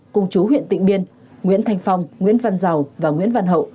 cung chú huyện tịnh biên nguyễn thành phong nguyễn văn giàu và nguyễn văn hậu